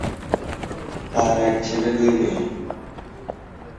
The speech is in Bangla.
তার এক ছেলে, দুই মেয়ে।